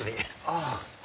ああ。